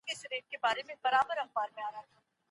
ټولنیز تجزیه د ډله ایزو تجربو له مخې کیږي.